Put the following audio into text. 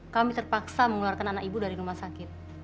kami terpaksa mengeluarkan anak ibu dari rumah sakit